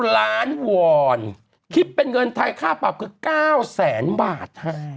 ล้านวอนคิดเป็นเงินไทยค่าปรับคือ๙แสนบาท